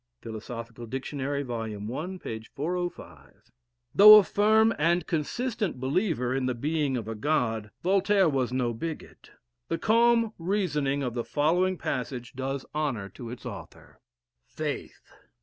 [Philosophical Dictionary, vol. i. p. 405.] Though a firm and consistent believer in the being of a God, Voltaire was no bigot. The calm reasoning of the following passage does honor to its author: Faith.